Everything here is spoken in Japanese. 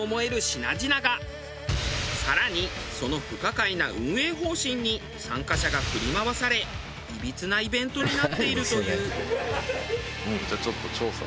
更にその不可解な運営方針に参加者が振り回されいびつなイベントになっているという。